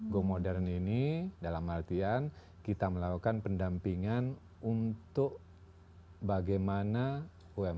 go modern ini dalam artian kita melakukan pendampingan untuk bagaimana umkm ini bisa berhasil